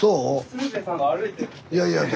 「鶴瓶さんが歩いてる」って。